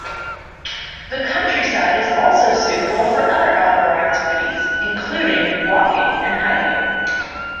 The countryside is also suitable for other outdoor activities, including walking and hiking.